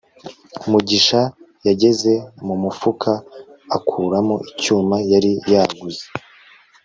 mugisha yageze mu mufuka akuramo icyuma yari yaguze